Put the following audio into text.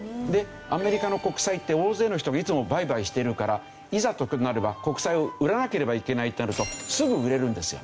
アメリカの国債って大勢の人がいつも売買してるからいざとなれば国債を売らなければいけないってなるとすぐ売れるんですよ。